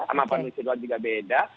sama pak nusirwan juga beda